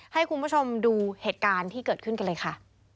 ให้คุณผู้ชมดูเหตุการณ์ที่เกิดขึ้นกันเลยค่ะ